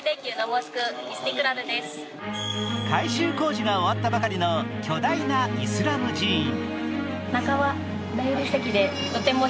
改修工事が終わったばかりの巨大なイスラム寺院。